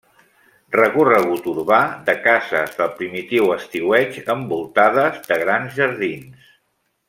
Recorregut urbà de cases del primitiu estiueig envoltades de grans jardins.